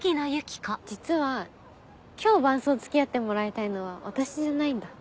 実は今日伴走付き合ってもらいたいのは私じゃないんだ。